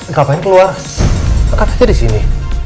gapain keluar angkat aja disini